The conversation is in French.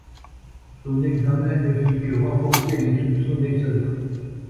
Son examen ne fit que renforcer les soupçons des sœurs.